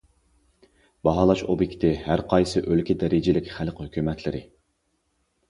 باھالاش ئوبيېكتى ھەر قايسى ئۆلكە دەرىجىلىك خەلق ھۆكۈمەتلىرى.